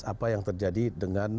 apa yang terjadi dengan